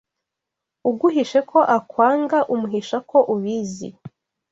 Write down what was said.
Uguhishe ko akwanga umuhisha ko ubizi